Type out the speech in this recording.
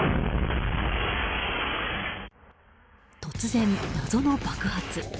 突然、謎の爆発。